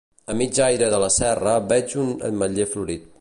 A mig aire de la serra veig un ametller florit.